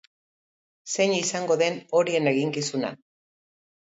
Zein izango den horien eginkizuna?